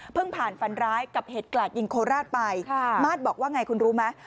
ผ่านฟันร้ายกับเหตุกลาดยิงโคราชไปมาสบอกว่าไงคุณรู้ไหม